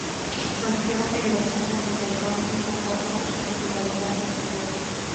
Rompió en la escena en Taiwán y poco a poco su popularidad despegó.